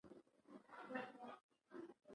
د هند بومي اوسېدونکو پوځیانو درېغ نه دی کړی.